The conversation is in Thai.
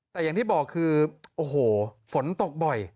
แต่อย่างที่บอกคือโอ้โหฝนตกบ่อย